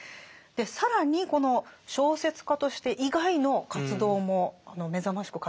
更にこの小説家として以外の活動も目覚ましく活躍されてますよね。